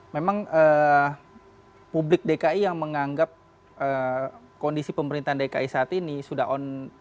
memang publik dki yang menganggap kondisi pemerintahan dki saat ini sudah on